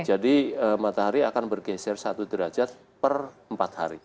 jadi matahari akan bergeser satu derajat per empat hari